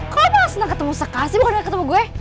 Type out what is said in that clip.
kok lo gak seneng ketemu sektor sih bukan ketemu gue